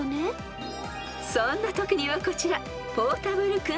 ［そんなときにはこちら］